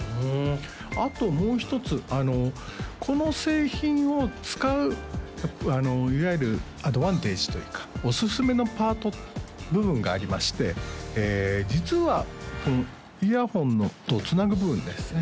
あともう一つこの製品を使ういわゆるアドバンテージというかおすすめのパート部分がありまして実はこのイヤホンとつなぐ部分ですね